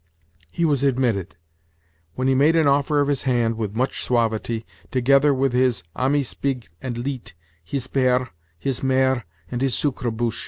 He was admitted; when he made an offer of his hand, with much suavity, together with his "amis beeg and leet', his père, his mere and his sucreboosh."